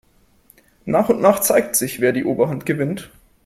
Nach und nach zeigt sich, wer die Oberhand gewinnt.